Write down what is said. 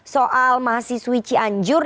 soal mahasiswi cianjur